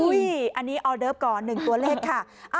อุ๊ยอันนี้ออเดิฟก่อนหนึ่งตัวเลขค่ะ